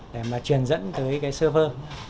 để mà truyền dẫn tới server